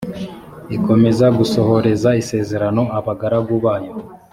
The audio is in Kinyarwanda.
ikomeza gusohoreza isezerano abagaragu bayo